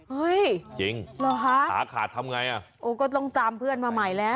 จริงเหรอคะขาขาดทำไงอ่ะโอ้ก็ต้องตามเพื่อนมาใหม่แล้ว